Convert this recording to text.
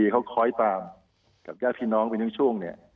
ครอยตามพี่น้องไปนึงช่วง